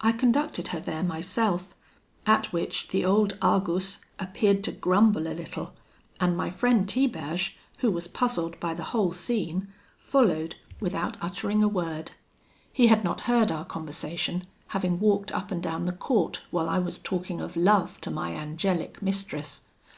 "I conducted her there myself, at which the old Argus appeared to grumble a little; and my friend Tiberge, who was puzzled by the whole scene, followed, without uttering a word. He had not heard our conversation, having walked up and down the court while I was talking of love to my angelic mistress.